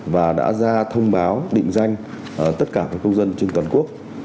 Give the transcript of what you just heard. và đã ra thông báo định danh tất cả các công dân trên toàn quốc